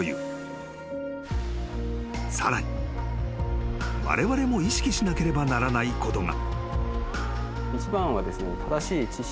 ［さらにわれわれも意識しなければならないことが］